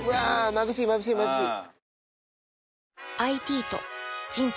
まぶしいまぶしいまぶしい！」。